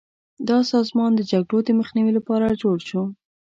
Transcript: دا سازمان د جګړو د مخنیوي لپاره جوړ شو.